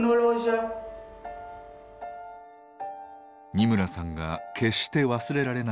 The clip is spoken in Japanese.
二村さんが決して忘れられない瞬間